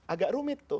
agak rumit tuh